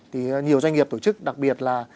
thì nhiều doanh nghiệp tổ chức đặc biệt là